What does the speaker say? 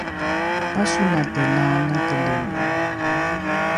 pasolasolate laalakelini